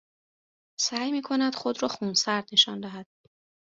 سعی می کند خود را خونسرد نشان دهد